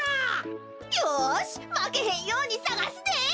よしまけへんようにさがすで！